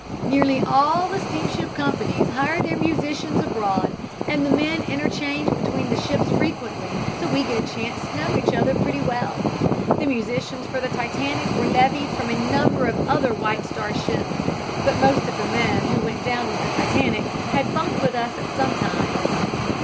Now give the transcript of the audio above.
Nearly all the steamship companies hire their musicians abroad, and the men interchange between the ships frequently, so we get a chance to know one another pretty well. The musicians for the Titanic were levied from a number of other White Star ships, but most of the men who went down with the Titanic had bunked with us at some time."